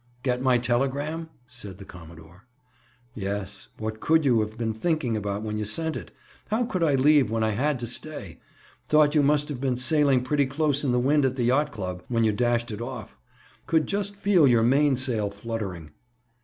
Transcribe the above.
"Get my telegram?" said the commodore. "Yes. What could you have been thinking about when you sent it? How could I leave when I had to stay? Thought you must have been sailing pretty close in the wind at the yacht club, when you dashed it off! Could just feel your main sail fluttering."